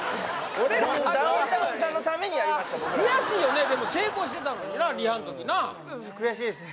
僕ら悔しいよねでも成功してたのになリハの時な悔しいですね